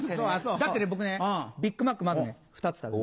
だってね僕ビッグマックまず２つ食べます。